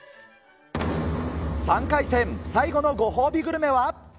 ３回戦、最後のご褒美グルメは。